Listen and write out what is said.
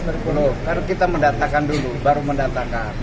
karena kita mendatakan dulu baru mendatakan